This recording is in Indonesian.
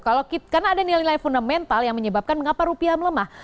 kalau kita karena ada nilai fundamental yang menyebabkan mengapa rupiah melemah